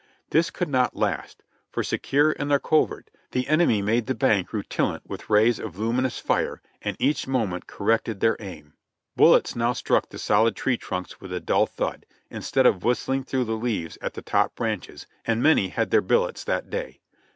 This could not last, for secure in their covert, the enemy made the bank rutilant with rays of luminous fire, and each moment cor rected their aim. Bullets now struck the solid tree trunks with a dull thud, instead of whistling through the leaves of the top branches, and many had their billets that day.